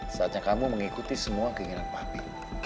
saatnya kamu mengikuti semua keinginan pahpi